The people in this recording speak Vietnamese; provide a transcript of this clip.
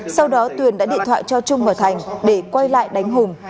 sau đó tuyền đã điện thoại cho trung và thành để quay lại đánh hùng